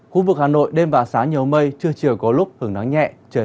khu vực hà nội đêm và sáng nhiều mây trưa chiều có lúc hưởng nắng nhẹ trời rét